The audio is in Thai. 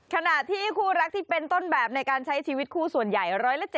ขณะที่คู่รักที่เป็นต้นแบบในการใช้ชีวิตคู่ส่วนใหญ่๑๗๐